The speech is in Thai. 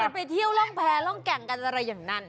ไปเที่ยวร่องแพรร่องแก่งกันอะไรอย่างนั้น